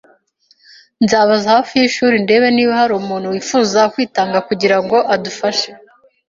Nzabaza hafi yishuri ndebe niba hari umuntu wifuza kwitanga kugirango adufashe.